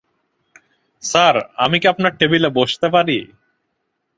Sir, আমি কি আপনার টেবিলে বসতে পারি?